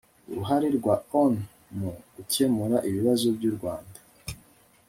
uruhare rwa onu mu gukemura ibibazo by'u rwanda